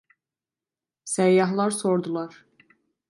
Seyyahlar sordular: